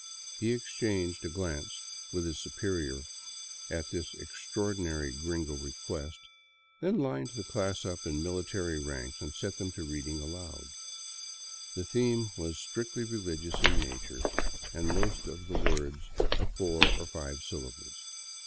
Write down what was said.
He exchanged a glance with his superior at this extraordinary gringo re quest, then lined the class up in military ranks and set them to reading aloud. The theme was strictly religious in nature and most of the words of four or five syllables.